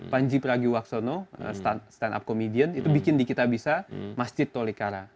panji pragiwaksono stand up comedian itu bikin di kitabisa masjid tolikara